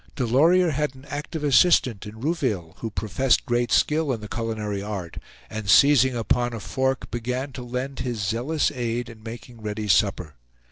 Delorier had an active assistant in Rouville, who professed great skill in the culinary art, and seizing upon a fork, began to lend his zealous aid in making ready supper.